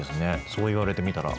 そう言われてみたら。